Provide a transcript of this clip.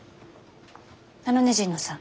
あのね神野さん。